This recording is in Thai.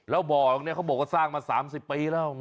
เราบอกเนี่ยเขาบอกว่าสร้างมา๓๐ปีแล้ว